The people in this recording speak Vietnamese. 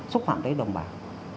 xúc phạm tới đồng bào